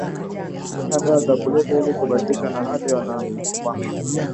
hutumia dawa za kulevya ili kukabiliana na hali hiyo Wanaamini kwamba